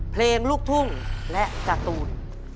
เพลงลูกทุ่งและการ์ตูน